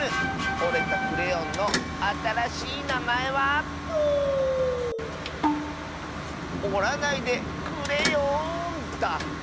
おれたクレヨンのあたらしいなまえは「おらないでくれよん」だ！